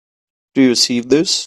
Do you see this?